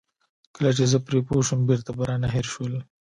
کله چې زه پرې پوه شوم بېرته به رانه هېر شول.